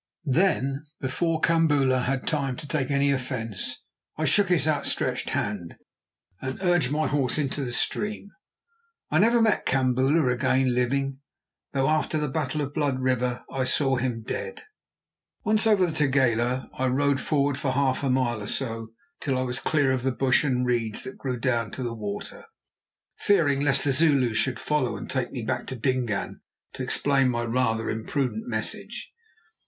Then, before Kambula had time to take any offence, I shook his outstretched hand and urged my horse into the stream. I never met Kambula again living, though after the battle of Blood River I saw him dead. Once over the Tugela I rode forward for half a mile or so till I was clear of the bush and reeds that grew down to the water, fearing lest the Zulus should follow and take me back to Dingaan to explain my rather imprudent message.